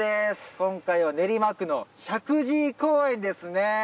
今回は練馬区の石神井公園ですね！